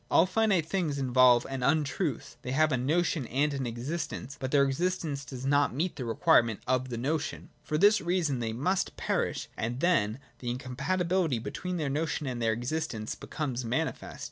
All finite things^involve an untruth : they have a notion and an existence, but their existence does not meet the requirements of the notion. For this reason they must perish, and then the incompatibility between their notion and their existence becomes manifest.